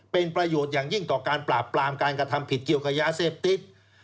เป็นประโยชน์อย่างยิ่งต่อการปราบปรามการกระทำผิดเกี่ยวกับยาเสพติด